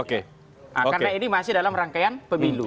karena ini masih dalam rangkaian pemilu